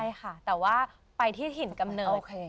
ใช่ค่ะแต่ว่าไปที่ถิ่นกำเนิด